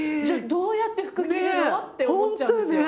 どうやって服着るの？って思っちゃうんですよ。